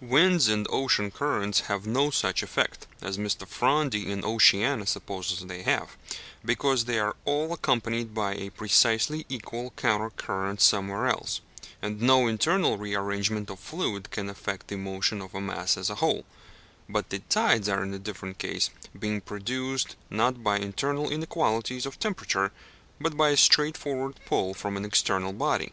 Winds and ocean currents have no such effect (as Mr. Fronde in Oceania supposes they have), because they are all accompanied by a precisely equal counter current somewhere else, and no internal rearrangement of fluid can affect the motion of a mass as a whole; but the tides are in different case, being produced, not by internal inequalities of temperature, but by a straightforward pull from an external body.